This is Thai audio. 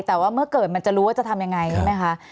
แต่ว่าเมื่อเกิดมันจะรู้ว่าจะทำยังไงใช่ไหมคะ